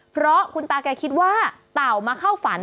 ตาแกคิดว่าเต่ามาเข้าฝัน